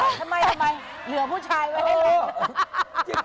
ทำไมทำไมเหลือผู้ชายไว้ให้ลูก